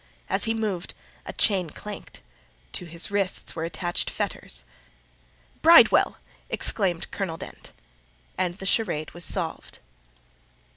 As he moved, a chain clanked; to his wrists were attached fetters. "Bridewell!" exclaimed Colonel Dent, and the charade was solved.